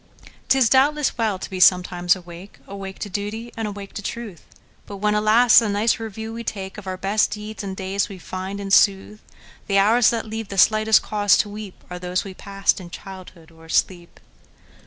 'T is, doubtless, well to be sometimes awake,—Awake to duty, and awake to truth,—But when, alas! a nice review we takeOf our best deeds and days, we find, in sooth, The hours that leave the slightest cause to weepAre those we passed in childhood or asleep!